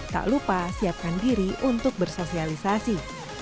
tak lupa siapkan diri untuk bersosialisasi